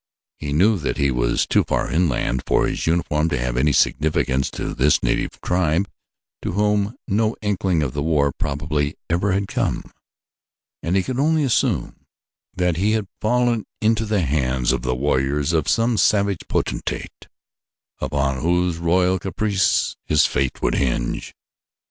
He knew that he was too far inland for his uniform to have any significance to this native tribe to whom no inkling of the World War probably ever had come, and he could only assume that he had fallen into the hands of the warriors of some savage potentate upon whose royal caprice his fate would hinge.